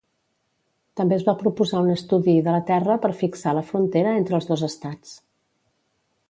També es va proposar un estudi de la terra per fixar la frontera entre els dos estats.